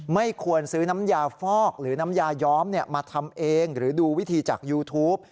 ไม่ควรซื้อน้ำยาฟอกหรือน้ำยาย้อมมาทำเองหรือดูวิธีจากยูทูป